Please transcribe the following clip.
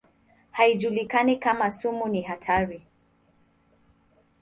Haijulikani kama sumu ni hatari.